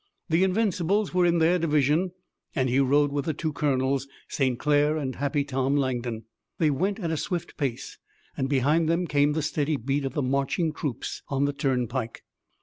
The Invincibles were in their division and he rode with the two colonels, St. Clair and Happy Tom Langdon. They went at a swift pace and behind them came the steady beat of the marching troops on the turnpike.